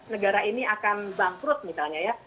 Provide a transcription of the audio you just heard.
negara ini akan bangkrut misalnya ya